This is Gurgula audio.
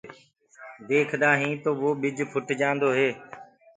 ديکدآ هين تو وو ٻج ڦٽ جآندو هي